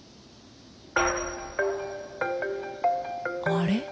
あれ？